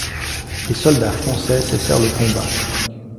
Les soldats français cessèrent le combat.